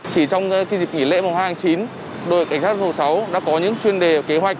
trong dịp nghỉ lễ hai nghìn chín đội cảnh sát giao thông đã có những chuyên đề kế hoạch